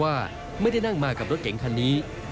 ว่าไม่ได้นั่งมากับรถเก๋งคันนี้